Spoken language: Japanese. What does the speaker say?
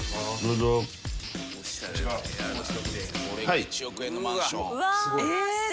これが１億円のマンション。